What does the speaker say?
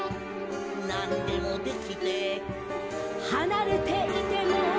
「なんでもできて」「はなれていても」